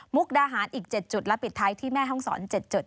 ดาหารอีก๗จุดและปิดท้ายที่แม่ห้องศร๗จุด